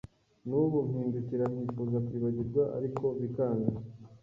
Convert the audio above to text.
nubu mpindukira nkifuza kwibagirwa ariko bikanga